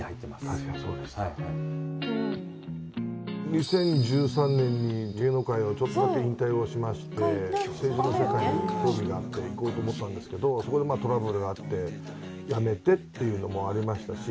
２０１３年に芸能界をちょっとだけ引退をしまして政治の世界に興味があって行こうと思ったんですけどそこでまあトラブルがあってやめてっていうのもありましたし。